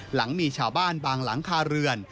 หลังมีชาวบ้านบางหลังคาเรือน